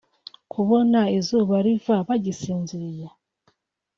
kubona izuba riva bagisinziriye